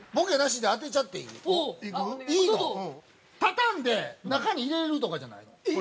◆畳んで、中に入れれるとかじゃない？